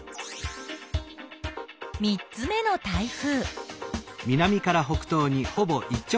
３つ目の台風。